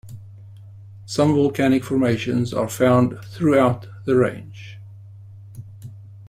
Some volcanic formations are found throughout the range.